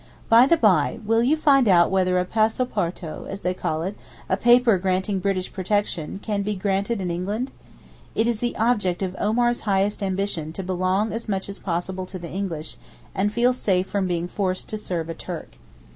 By the by, will you find out whether a passaporto, as they call it, a paper granting British protection, can be granted in England. It is the object of Omar's highest ambition to belong as much as possible to the English, and feel safe from being forced to serve a Turk.